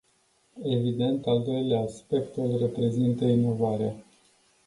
Evident, al doilea aspect îl reprezintă inovarea.